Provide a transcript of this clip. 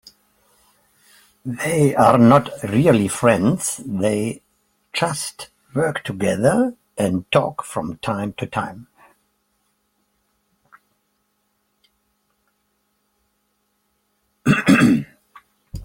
They are not really friends, they just work together and talk from time to time.